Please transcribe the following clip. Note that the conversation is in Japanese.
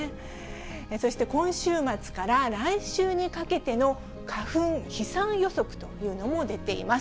そして今週末から来週にかけての花粉飛散予測というのも出ています。